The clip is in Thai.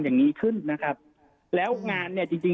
อย่างนี้ขึ้นนะครับแล้วงานเนี่ยจริงจริง